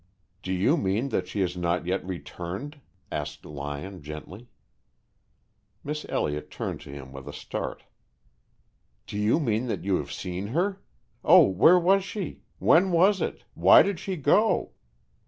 "Do you mean that she has not yet returned?" asked Lyon, gently. Miss Elliott turned to him with a start. "Do you mean that you have seen her? Oh, where was she? When was it? Why did she go?"